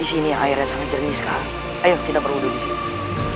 di sini airnya sangat cernih sekali ayo kita berhudu di sini